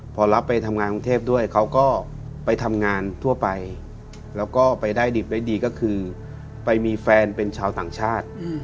พอรับไปทำงานกรุงเทพด้วยเขาก็ไปทำงานทั่วไปแล้วก็ไปได้ดิบได้ดีก็คือไปมีแฟนเป็นชาวต่างชาติ